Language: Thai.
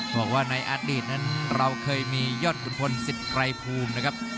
บอกว่าในอดีตนั้นเราเคยมียอดขุนพลสิทธิ์ไกรภูมินะครับ